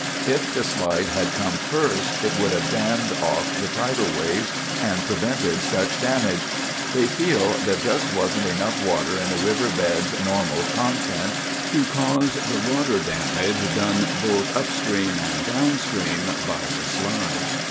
If the slide had come first, it would have dammed off the tidal waves, and prevented such damage. They feel there just wasn't enough water in the river bed's normal content to cause the water damage done both upstream and downstream by the slide.